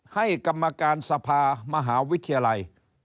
ให้กรรมการสภามหาวิทยาลัย